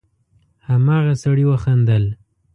هماغه سړي وخندل: